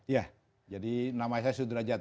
ya jadi nama saya sudrajat